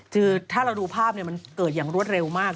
คือถ้าเราดูภาพมันเกิดอย่างรวดเร็วมาก